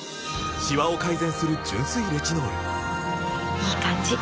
いい感じ！